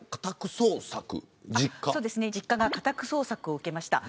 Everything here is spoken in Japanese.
実家が家宅捜索を受けました。